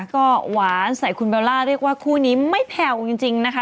ก็หวานใส่คุณเบลล่าเรียกว่าคู่นี้ไม่แผ่วจริงนะคะ